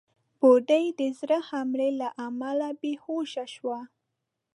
بوډۍ د زړه حملې له امله بېهوشه شوه.